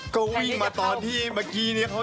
ก็วิ่งมาตอนที่เมื่อกี้เนี่ย